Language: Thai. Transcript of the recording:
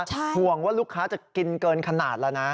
ห่วงว่าลูกค้าจะกินเกินขนาดแล้วนะ